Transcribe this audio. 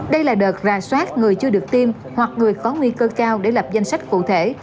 đây là đợt ra soát người chưa được tiêm hoặc người có nguy cơ cao để lập danh sách cụ thể